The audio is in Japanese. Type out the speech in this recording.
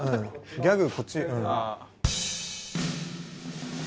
ギャグこっち。